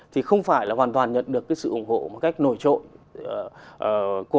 thì không phải là hoàn toàn nhận được cái sự ủng hộ một cách nổi trộn